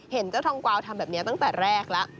เห็นเจ้าทองกวาวทำแบบนี้ตั้งแต่แรกแล้ว